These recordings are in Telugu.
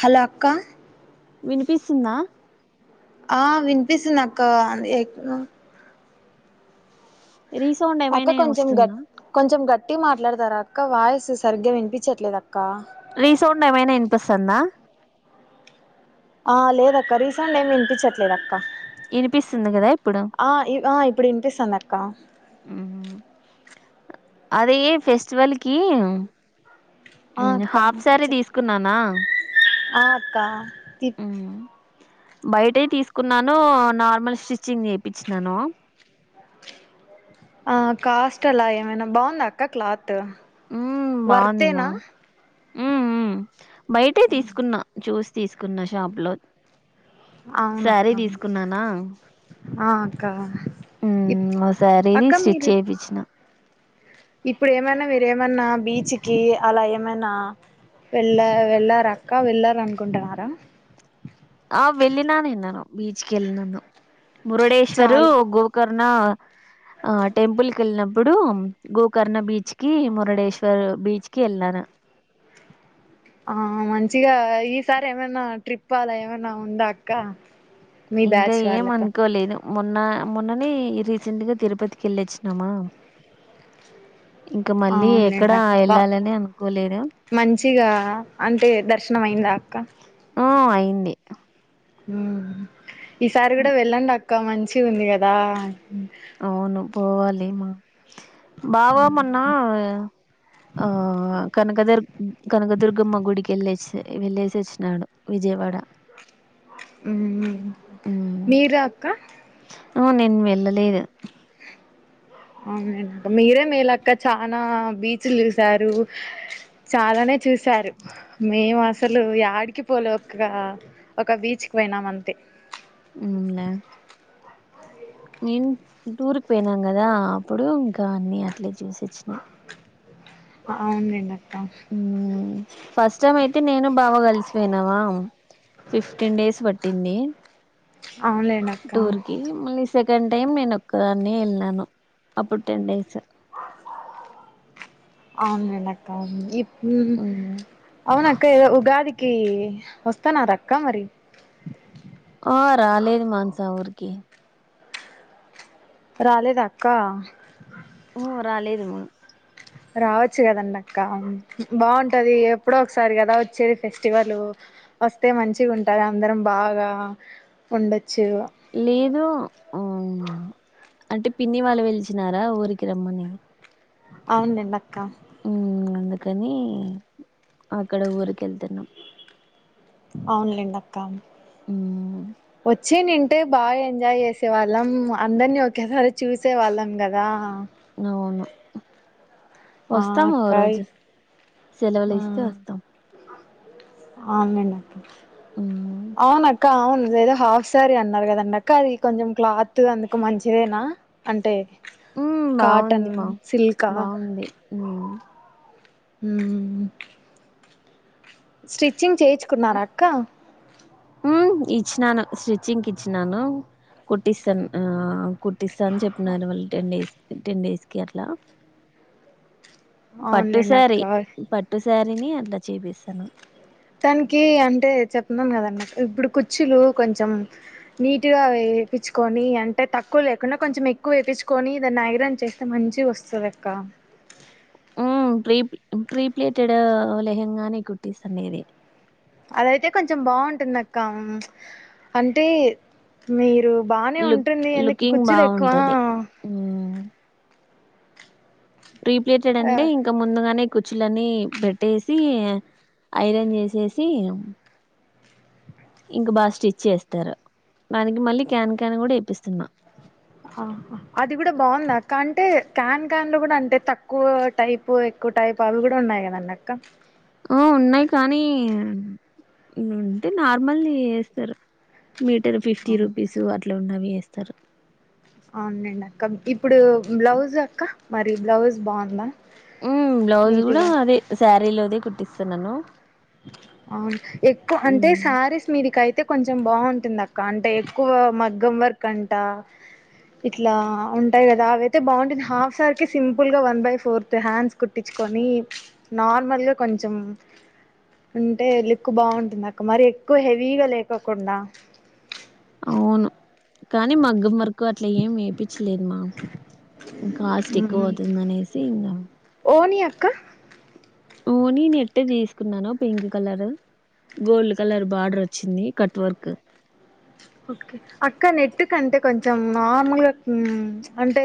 హలో అక్క వినిపిస్తుందా ఆ వినిపిస్తుంది అక్క రీసౌండ్ ఏమైనా అక్క కొంచెం వస్తుందా గట్ కొంచెం గట్టి మాట్లాడతారాక్క అక్క వాయిస్ సరిగ్గా వినిపించట్లేదు అక్క రీసౌండ్ ఏమైనా వినిపిస్తుందా ఆ లేదక్క రీసౌండ్ ఏమి వినిపించట్లేదుక్క వినిపిస్తుంది కదా ఇప్పుడు ఆ ఆ ఇప్పుడు వినిపిస్తుంది అక్కా అదే ఫెస్టివల్ కి ఆ అక్క హాఫ్ సారీ చెప్ తీసుకున్నానా ఆ అక్కా బయటయి తీసుకున్నాను నార్మల్ స్టిచ్చింగ్ చేయిపిచ్చినాను ఆ కాస్ట్ అలా ఏమైనా బాగుంది అక్క క్లాత్ వర్తేనా మ్మ్ మ్మ్ బయటే తీసుకున్నా చూసి తీసుకున్న షాప్ లో అవునక్క సారీ తీసుకున్నానా ఆ అక్క ఇప్ హ్మ్ ఓసారిది అక్క స్టిచ్ మీరు చేయిపిచ్చిన ఇప్పుడు ఏమైనా మీరేమన్నా బీచ్కి అలా ఏమైనా వెళ్ళ వెళ్ళారక్క వెళ్ళారనుకుంటున్నారా ఆ వెళ్ళ ననే నను బీచ్కిెళ్ల్ నన్న మురుడేశ్వరు చాలు గోకర్ నా టెంపుల్ కి వెళ్ళినప్పుడు గోకర్ణ బీచ్ కి మురడేశ్వర్ బీచ్ కి వెళ్ళను ఆ మంచిగా ఈసారి ఏమైనా ట్రిప్ అలా ఏమైనా ఉందా అక్క మీ ఇంకా బ్యాచ్ ఏం వాళ్ళతో అనుకోలేదు మొన్న మొన్ననే రీసెంట్గా తిరుపతికి వెళ్ళొచ్చినామా ఇంకా మళ్ళీ అవునులేండి ఎక్కడా అక్క బా వెళ్ళాలని అనుకోలేదు మంచిగా అంటే దర్శనం అయిందా అక్క ఆ అయింది ఈసారి ఉమ్, కూడా వెళ్ళండి అక్క మంచి ఉంది కదా అవును పోవాలిమా బావామన్నా ఆ కనకదుర్ కనకదుర్గమ్మ గుడికి ఎళ్ళచ్చ వెళ్లేసి వచ్చినాడు విజయవాడ హ్మ్ ఉమ్ మీరా అక్క ఆ నేను వెళ్ళలేదు అవున మీరే మీ లక్క చనా బీచ్లు చూసారు చాలానే చూసారు మేము అసలు డికి పోలే ఒక ఒక బీచ్ పోయినామ అంతే ఉమ్ లే నేను టూర్కి పోయినాం కదా అప్పుడు ఇంకా అన్ని అట్లే చూసిచ్చిన అవునండి అ ఫస్ట్ టైమ్ అయితే నేను బాగా కలిసిపోయినావా ఫిఫ్టీన్ డేస్ పట్టింది అవునులేండి అక్క టూర్కి మళ సెకండ్ టైమ్ నేను ఒక్కదాన్ని వెళ్ళను అప్పుడు టెన్ డేస్ అవునుంట అక్క మ్మ్ అవున అక్క ఏదో ఉగాది వస్తాను దక్క మరి ఆ రాలేదు మాంసా ఊరికి రాలేదు అక్క ఓ అ రాలేదు మ రావచ్చు కదండి అక్క బాగుంటది ఎప్పుడో ఒకసారి కదా వచ్చేది ఫెస్టివల్ వస్తే మంచిగా ఉంటారు అందరం బాగా ఉండొచ్చు లేదు అంటే పిన్ని వాళ్ళు వెలిచినారా ఊరికి రమ్మని అవునండి అక్క మ్మ్ అందుకని అక్కడ ఊరిక వెళ్తున్నాం అవునులేండి అక్కా అ వచ్చినుంటే బాగా ఎంజాయ్ చేసేవాళ్ళం అందరినీ ఒకేసారి చూసేవాళ్ళం కదా అవును ఆ వస్తాము ఓ అక్కాయ్ రోజు సెలవులు ఇస్తే వస్తాం అ మ్మ్ అవునక్క అవునుదో హఫ సరే అన్నారు కదండక్క అది కొంచెం క్లాత్ అందుకు మంచిదేనా అంటే మ్మ్ కాటన్ బాగుంది మా సిల్కా బాగుంది మ్మ్ హ స్టిచ్చింగ్ చేయించుకున్నార అక్క ఇచ్చినాను స్టిచ్చింగ్కి ఇచ్చినాను కుట్టిస్తాను కుట్టిస్తా అని చెప్పినను వాళ్ళ టెన్ డేస్ క టెన్ డేస్ క అట్లా అవునులేండి పట్టుసారి అక్క పట్టు సారిని అట్లా చేపిసాను ానికి అంటే చెప్తున్నాను కదన్నమాట ఇప్పుడు కుచ్చులు కొంచెం నీట్గా తెుకొని అంటే తక్కువ లేకుండా కొంచెం ఎక్కువ ఎయించుకొని దదాన్ని నాగిరం చేస్తే మంచి వస్తుంది ఎక్క ప్ర ప్రీప్లేటెడ్ లె హెంగానే కుట్టిస్తా మీది అదయితే కొంచెం బాగుంటుంది అక్క అంటే మీరు బానే లుక్ ఉంటుంది ఎందుకు లుకింగ్ కుర్చులు ఎక్కువ బాగుంటది మ్మ్ ప్రీప్లేటెడ్ అంటే ఇంకా ముందుగానే కుచులన్నీ పెట్టేసి ఐరన్ చేసేసి ఇంక బాగా స్టిచ్ చేస్తారు దానికి మళ్ళీ క్యాన్ క్యాన్ కూడా ఇప్పిస్తున్నాం ఆ అది కూడా బాగుందా అక్క అంటే క్యాన్ క్యాన్ లో కూడా అంటే తక్కువ టైపు కు టాయిపు అవి కూడా ఉన్నాయి కదన్న అక్క ఆ ఉన్నాయి కానీ ఉంటే నార్మల్ చేస్తారు మీటర్ ఫిఫ్టీ రూపీస్ అట్లా ఉన్నవి వేస్తారు అవునండి అక్క ఇప్పుడు బ్లౌజ్ అక్క మరి బ్లౌజ్ బాగుందా ఉ బ్లౌజ్ కూడా నీట్గా అదే శారీలోదే కుట్టిస్తా నన్నను అవును ఎక్కువ అంటే సారీస్ మీరికయితే కొంచెం బాగుంటుంది అక్క అంటే ఎక్కువ మగ్గం వర్క్ అంట ఇట్లా ఉంటాయి కదా అవియితే బాగుంటుంది హాఫ్ సార్ కి సింపుల్ గా వన్ బై ఫోర్త్ హ్యాండ్స్ కుట్టించు కొని నార్మల్గా కొంచెం [unintelligible] ఉంటే లిక్కు బాగుంటుంద అక్క మరి ఎక్కువ హెవీగా లేకోకుండా అవును కానీ మగ్గ మర్కు ఎకు అట్లా ఏం వేపించలేదుమా కాస్ట్ ఎక్కువ అవుతుంద అనేసి ఇంకా ఓ ని అక్క ఓ నేను ఎట్ట తీసుకున్నాను pink colour gold colour border వచ్చింది కట్ వర్క్ ఓకే అక్కడ నెట్టు కంటే కొంచెం నార్మల్గా అంటే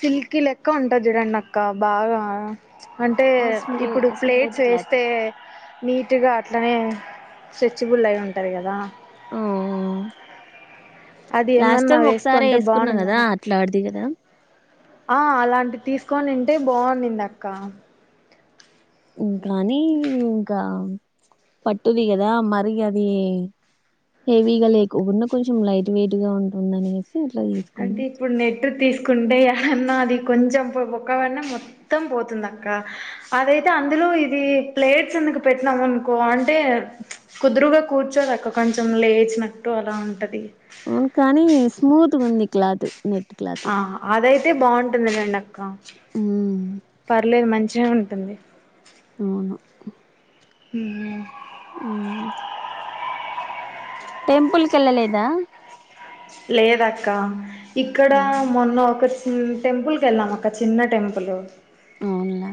సిల్క్ లెక్క ఉంటది చూడండి అక్క బాగా అంటే స్మూ ఇప్పుడు స్మూత్ ప్లేట్స్ క్లాత్ వేస్తే నీటుగా అట్లనే స్ట్రెచబుల్ అయి ఉంటారు కదా ఓ అది లాస్ట్ ఏమన్నా నా టైం ఒకసారి వేసుకోంటే వేసుకున్నా బాగుంటుంద కదా అన్న అట్లాడిది కదా అలాంటి తీసుకొని తంటే బాగున్నింది అక్క కానీ ఇంకా పట్టుది కదా మరి అది హెవీగా లేకోకుండా కొంచెం లైట్ వెయిట్ గా ఉంటుందనేసి అంటే ఇప్పుడు నెట్ర్ తీసు ంటే అ అది కొంచెం పొక్కవ మొత్తం పోతుందాంక్క అదైతే అందులో ఇది ప్లేట్స్ ఎందుకు పెట్నాం అనుకో అంటే కుదురుగా కూర్చ అ కొంచె లేచినట్టు అలా ఉంటది ఉవునుకానీ స్మూత్ ఉంది కలా అదు ఆ అదయితే బాగుంటుంది రండి అక్క ఉమ్, పర్లేదు మంచి వచ్చే ఉంటుంది నవును హ అ టెంపుల్ కెళ్లలేదా లేదక్క ఇక్కడ ఉమ్, మొన్న ఒక టెంపుల్కి వెళ్ళాం అక్క చిన్న టెంపుల్ అవునులా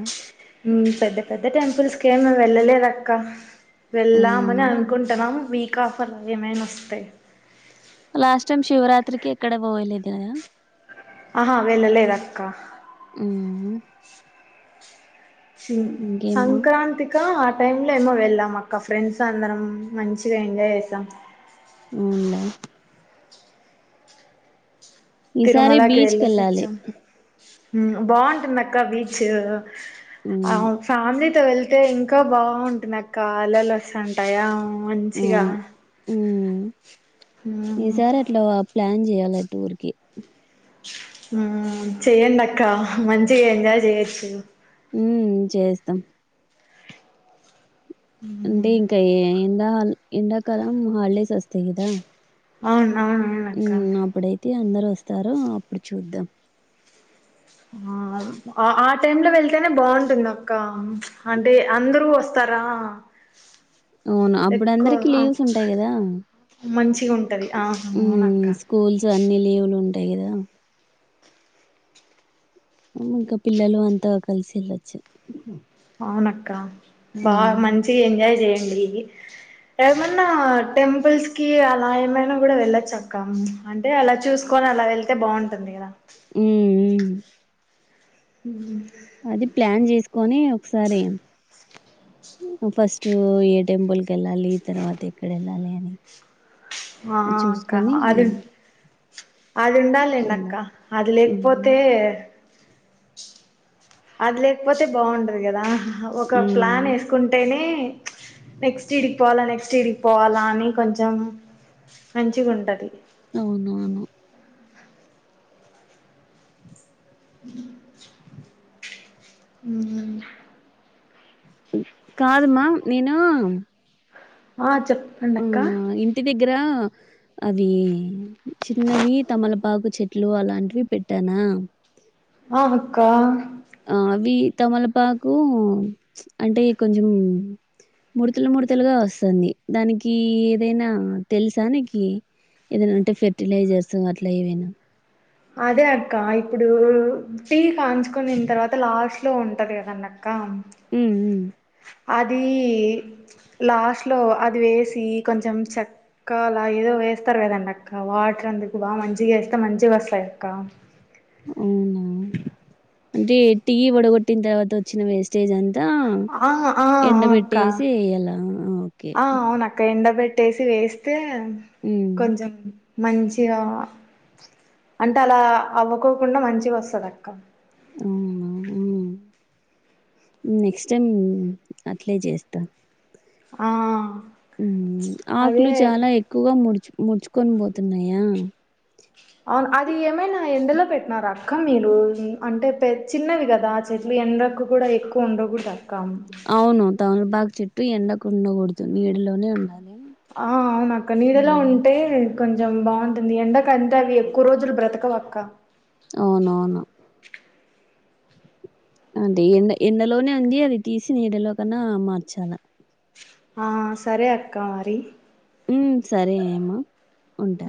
పెద్ద పెద్ద టెంపుల్స్కేమ వెళ్ళలేదక్క వెళ్ళామని అనుకుంటున్నాం వీక్ ఆఫ్ అలా ఏమైనా వస్తాయి లాస్ట్ టైం శివరాత్రికి ఎక్కడ పోయలేదు కదా ఆహా వెళ్ళలేదు అక్క ఆ సి సంక్రాంతక టైంలో ఏమో వెళ్ళాం అక్క ఫ్రెండ్స్ అందరం మంచిగా ఎంజాయ్ చేసాం అవుంట ఈసారి తిరుమలకి బీచ్కి వెళ్ళేసి వెళ్ళాలి వచ్చాం బాగుంటుంది అక్క బీచ్ ఆ అవును ఫ్యామిలీ అత వెళ్తే ఇంకా బాగుంటుంది అక్కళ్ళలు వస్తుంటాయా మంచించిగా అవును ఉమ్. ఈసారి అట్లా ప్లాన్ చేయాలి ఆ టూర్కిి చె్యంటక్కా మంచించి ఎంజాయ్ చేయచ్చ ఉ చేస్తాం అంటే మ్మ్ ఇంకా ఎడా ఎండాకాలం హల్డేస్ వస్తాయి కదా అవును అవునవును ఉ అక్క అప్పుడైతే అందరు వస్తారు అప్పుడు చూద్దాం ఆ ఆ టైమ్ లో వెళ్తేనే బాగుంటుంది అక్క అంటే అందరూ వస్తారు స్తరా అవున అప్పుడు అందరికి ఆ లీవ్స్ ఉంటాయి కదా మంచిగా ఉంటది ఆ ఉ అవునక్క స్కూల్స్ అన్ని లీవ్లు ఉంటాయి కదా ఇంక పిల్లలు అంతా కలిసి వెళ్ళచ్చు అవునక్క బాగ మంచిగ ఎంజాయ్ చేయండి ఏమన్నా టెంపుల్స్ కి అలా ఏమైన కూడ వెళ్ళచ్చక్కా అంటే అలా చూసుకోని అలా వెళ్తే బాగుంటుంది కదా ఉమ్ ఉ ఉహు అది ప్లాన్ చేసుకొని ఒకసారి ఫస్ట్ ఏ టెంపుల్కి వెళ్ళాలి తర్వాత ఎక్కడ వెళ్ళాలి అని ఆ అక్క చూసుకొని అది అది ఉండాలేండి అక్క ఎళ్దాం. అది లేక్పోతే హ్మ్. అది లేక్పోతే బాగుండదు కదా ఒక హ్మ్. ప్లాన్ వేసుకుంటేనే నెక్స్ట్ ఈడికి పోవాలా నెక్స్ట్ ఈడికి పోవాల అని కొంచం మంచిగ ఉంటది అవును అను ఉహు కాదుమా నేను ఆ ఆ చెప్పండక్క ఇంటి దగ్గర అ వీ చిన్నవి తమలపాకు చెట్లు అలాంటివి పెట్టాన న మావక్క ఆ అవి తమలపాకు అంటే కొంచం ముడుతలు మడ్తలుగా వస్తుంది దానికీ ఏదైనా తెలుసానికి ఏదనా ఉం టే ఫెర్టిలైజర్స్ అట్లా ఏవైనా అదే అక్క ఇప్పుడూ టీ కాంచుకునిన తర్వాత లాస్ట్ లో ఉంటది కదన్న అక్క ఉమ్ ఉ అది లాస్ట్లో అది వేసి కొంచం చక్కలా ఏదో వేస్తరు కదండక్క వాటర్ అందుకు బాగ మంచిగా వేస్తే మంచిగా వస్తాయి అక్క అవున అంటే టీ వడగొట్టిన తర్వాత వచ్చిన వేస్టేజ్ అంత ఆ ఆ అ అక్క ఎయ్యాలా ఓకే ఆ అవునక్క ఎండ పెట్ ట్టేసి వేసై హ్మ్ కొంచం మంచిగా అంటే అలా అవ్వకోకుండ మంచిగ వస్తది అక్క ఊహు ఉ నెక్స్ట్ టైమ్ అట్లే చేస్తా ఆ అదే ఆకులు చాలా ఎక్కువగా ముడుచు ముడుచుకొని పోతున్నాయా అవును అది ఏమైనా ఎండలో పెట్టినారా అక్క మీరు అంటే పె చిన్నవి కదా చెట్లు ఎండకు కూడ ఎక్కువ ఉండ కూడదు అక్కా అవును తమలపాక్ చెట్టు ఎండకుండ గూడదు ఆ అవునక్క నీడెలో హ్మ్. ఉంటే కొంచం కొంచెం బాగుంటుంది ఎండ కంతే అవి ఎక్కువ రోజులు బ్రతక వక్క అవునవును. అంటే ఎండ ఎండలోనే ఉంది అది తీసి నీడలో కన్నా మార్చాల ఆ సరే అక్కా మరి మ్ సరే హేమ ఉంటా